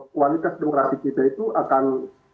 kualitas demokrasi kita itu akan